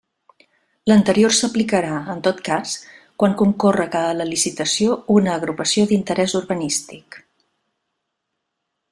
L'anterior s'aplicarà, en tot cas, quan concórrega a la licitació una agrupació d'interés urbanístic.